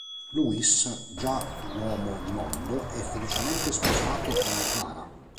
Luis, già "uomo di mondo", è felicemente sposato con Clara.